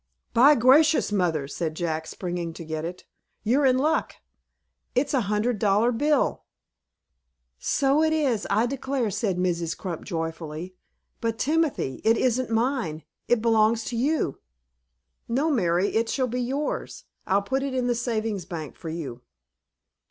"By gracious, mother," said Jack, springing to get it, "you're in luck. It's a hundred dollar bill." "So it is, I declare," said Mrs. Crump, joyfully. "But, Timothy, it isn't mine. It belongs to you." "No, Mary, it shall be yours. I'll put it in the Savings Bank for you."